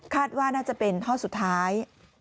ว่าน่าจะเป็นท่อสุดท้าย